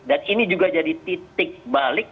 ini juga jadi titik balik